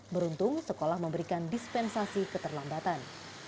beruntung sekolah memberikan dispensasi keterlambatan